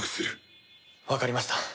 わかりました。